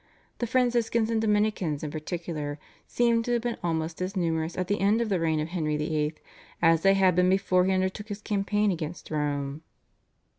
The Franciscans and Dominicans in particular seem to have been almost as numerous at the end of the reign of Henry VIII. as they had been before he undertook his campaign against Rome.